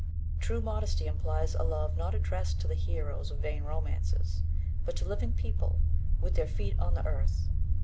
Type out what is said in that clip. True modesty implies a love not addressed to the heroes of vain romances, but to living people, with their feet on the earth.